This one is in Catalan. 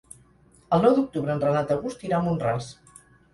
El nou d'octubre en Renat August irà a Mont-ras.